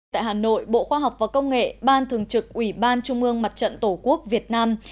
tại hà nội bộ khoa học và công nghệ ban thường trực ủy ban trung ương mặt trận tổ quốc việt nam